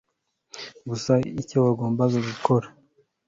gusa icyo wagombaga gukora